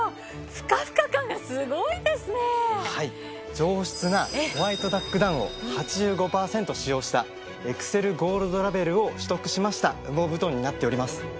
上質なホワイトダックダウンを８５パーセント使用したエクセルゴールドラベルを取得しました羽毛布団になっております。